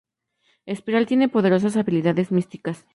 Espiral tiene poderosas habilidades místicas.